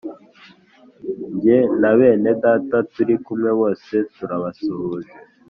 jye na bene Data turi kumwe bose turabasuhuje